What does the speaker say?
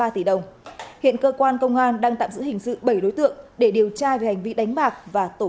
ba tỷ đồng hiện cơ quan công an đang tạm giữ hình sự bảy đối tượng để điều tra về hành vi đánh bạc và tổ